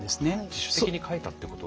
自主的に書いたってこと。